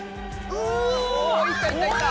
おいったいったいった。